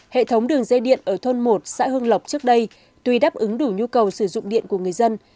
hệ thống đường dây điện ở thôn một xã hưng lộc trước đây tuy đáp ứng đủ nhu cầu sử dụng điện của người dân